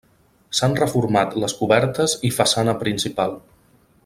S'han reformat les cobertes i façana principal.